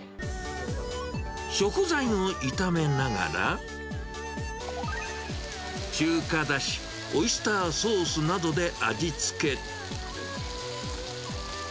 食材を炒めながら、中華だし、オイスターソースなどで味付け。